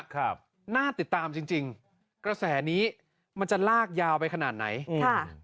ครับน่าติดตามจริงจริงกระแสนี้มันจะลากยาวไปขนาดไหนค่ะ